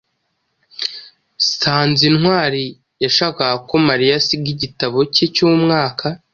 Sanzintwari yashakaga ko Mariya asiga igitabo cye cyumwaka.